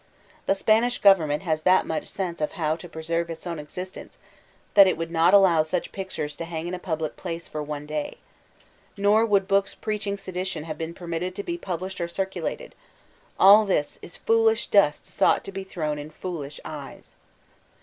The Spanish Government has that much sense of how to preserve its own existence^ that it would not allow such pictures to hang in a public place for one day. Nor would books preaching sedition have been permitted to be published or circulated. — ^All this is foolish dust sought to be thrown in foolish eyes.